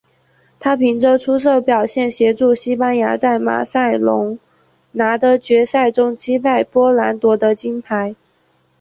他凭着出色表现协助西班牙在巴塞隆拿的决赛中击败波兰夺得金牌。